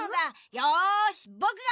よしぼくが！